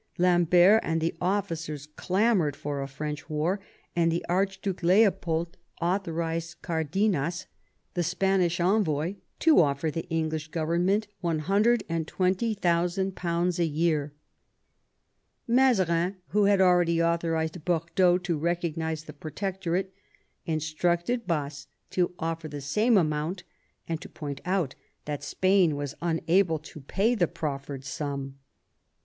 Lambert and the officers clamoured for a French war, and the Archduke Leopold authorised 182 MAZARIN chap. Cardenas, the Spanish envoy, to offer the English government X 120, 000 a year. Mazarin, who had already authorised Bordeaux to recognise the Protector ate, instructed Baas to offer the same amount, and to point out that Spain was unable to pay the proffered sum.